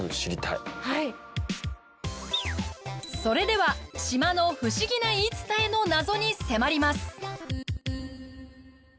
それでは島の不思議な言い伝えの謎に迫ります。